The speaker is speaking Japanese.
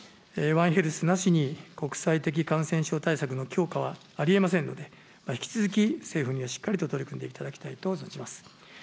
ワンヘルスなしに国際的感染症対策の強化はありえませんので、引き続き、政府にはしっかりと取り組んでいただきたいと存じます。